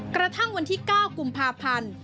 กระทั่งวันที่๙กุมภาพันธ์